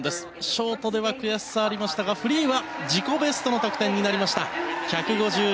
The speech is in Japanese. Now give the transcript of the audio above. ショートでは悔しさありましたがフリーは自己ベストの得点になりました。